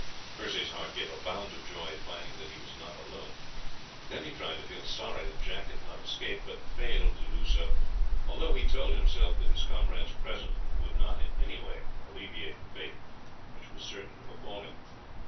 Percy's heart gave a bound of joy at finding that he was not alone; then he tried to feel sorry that Jack had not escaped, but failed to do so, although he told himself that his comrade's presence would not in any way alleviate the fate which was certain to befall him.